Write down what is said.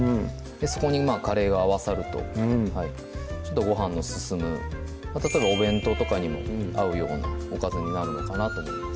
そこにカレーが合わさるとごはんの進む例えばお弁当とかにも合うようなおかずになるのかなと思います